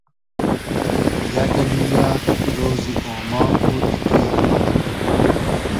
یئگ اللی یۂ رۉزی اۉماغ و دیقی